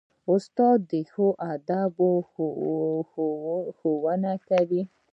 استاد د ښو آدابو ښوونه کوي.